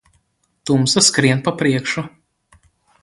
Tumsa skrien pa priekšu.